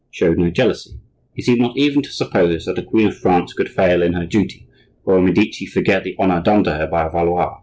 showed no jealousy; he seemed not even to suppose that a queen of France could fail in her duty, or a Medici forget the honor done to her by a Valois.